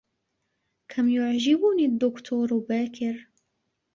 كم يعجبني الدّكتور باكر.